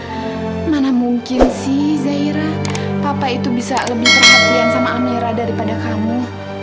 zairah mana mungkin sih zairah papa itu bisa lebih perhatian sama amirah daripada kamu